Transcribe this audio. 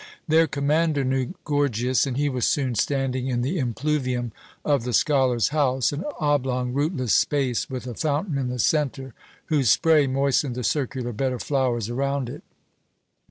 Their commander knew Gorgias, and he was soon standing in the impluvium of the scholar's house, an oblong, roofless space, with a fountain in the centre, whose spray moistened the circular bed of flowers around it.